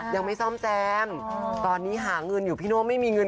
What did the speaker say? ยังไม่ซ่อมแซมตอนนี้หาเงินอยู่พี่โน่ไม่มีเงิน